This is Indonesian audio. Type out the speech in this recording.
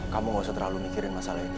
kamu nggak usah terlalu mikirin masalah itu